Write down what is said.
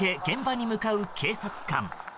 現場に向かう警察官。